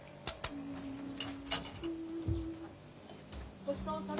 ごちそうさま。